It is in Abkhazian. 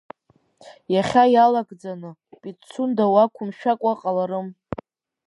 Иахьа иалагӡаны, Пицунда уақәымшәакәа ҟаларым.